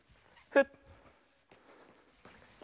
フッ。